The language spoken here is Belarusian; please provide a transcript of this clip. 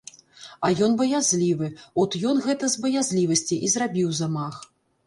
А ён баязлівы, от ён гэта з баязлівасці і зрабіў замах.